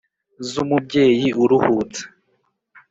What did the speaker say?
z’umubyeyi uruhutse